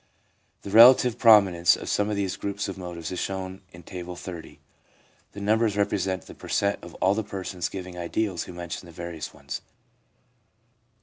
The relative prominence of some of these groups of motives is shown in Table XXX. The numbers represent the per cent, of all the persons giving ideals who mention the various ones.